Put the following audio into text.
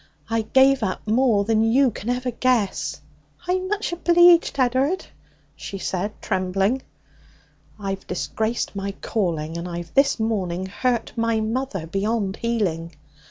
I gave up more than you can ever guess.' 'I'm much obleeged, Ed'ard,' she said tremblingly. 'I've disgraced my calling, and I've this morning hurt my mother beyond healing.'